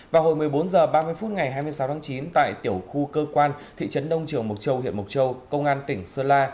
vào hồi một mươi bốn h ba mươi phút ngày hai mươi sáu tháng chín tại tiểu khu cơ quan thị trấn đông trường mộc châu huyện mộc châu công an tỉnh sơn la